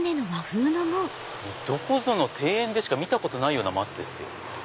どこぞの庭園でしか見たことないような松ですよ。